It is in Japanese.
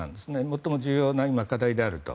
最も重要な今、課題であると。